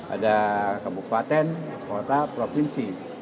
ada kabupaten kota provinsi